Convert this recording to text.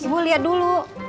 ibu lihat dulu